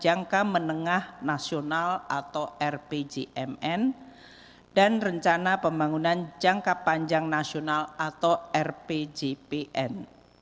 jangka menengah nasional atau rpjmn dan rencana pembangunan jangka panjang nasional atau rpjpn